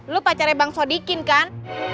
lu pacaran bang sodikin kan